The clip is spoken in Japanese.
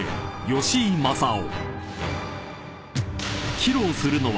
［披露するのは］